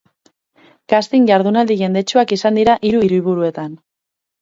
Casting jardunaldi jendetsuak izan dira hiru hiriburuetan.